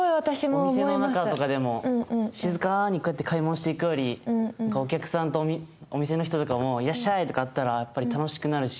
お店の中とかでも静かにこうやって買い物していくよりお客さんとお店の人とかも「いらっしゃい」とかあったらやっぱり楽しくなるし。